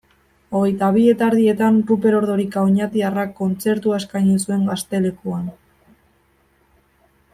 Hogeita bi eta erdietan Ruper Ordorika oñatiarrak kontzertua eskaini zuen Gaztelekuan.